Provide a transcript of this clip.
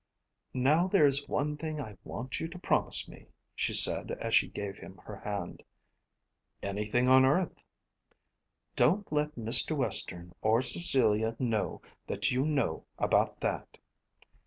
"Now there is one thing I want you to promise me," she said as she gave him her hand. "Anything on earth." "Don't let Mr. Western or Cecilia know that you know about that."